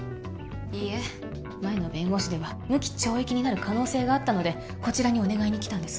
いいえ前の弁護士では無期懲役になる可能性があったのでこちらにお願いに来たんです